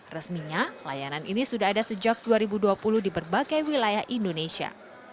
resminya layanan ini sudah ada sejak dua ribu dua puluh di berbagai wilayah indonesia